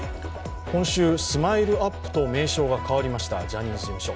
今週、ＳＭＩＬＥ−ＵＰ．と名称が変わりましたジャニーズ事務所。